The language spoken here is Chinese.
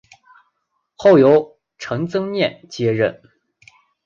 后由陈增稔接任。